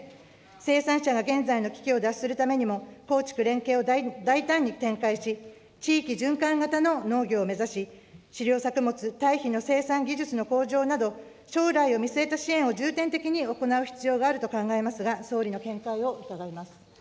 生産者が現在の危機を脱するためにも、耕畜連携を大胆に展開し、地域循環型の農業を目指し、飼料作物、堆肥の生産技術の向上など、将来を見据えた支援を重点的に行う必要があると考えますが、総理の見解を伺います。